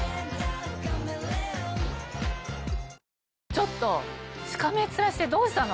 ちょっとしかめっ面してどうしたの？